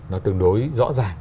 nó tương đối rõ ràng